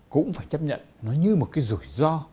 cũng phải chấp nhận nó như một cái rủi ro